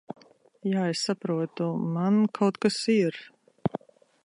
Jā, es saprotu. Man kaut kas ir...